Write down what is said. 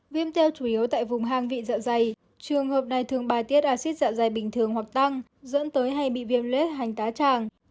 viêm teo chủ yếu tại vùng hang vị dạ dày trường hợp này thường bài tiết acid dạ dày bình thường hoặc tăng dẫn tới hay bị viêm lết hành tá tràng